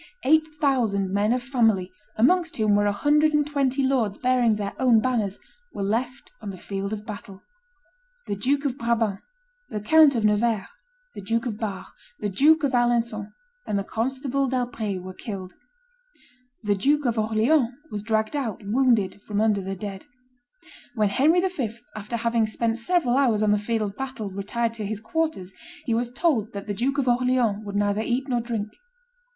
Eight thousand men of family, amongst whom were a hundred and twenty lords bearing their own banners, were left on the field of battle. The Duke of Brabant, the Count of Nevers, the Duke of Bar, the Duke of Alencon, and the Constable d'Albret were killed. The Duke of Orleans was dragged out wounded from under the dead. When Henry V., after having spent several hours on the field of battle, retired to his quarters, he was told that the Duke of Orleans would neither eat nor drink.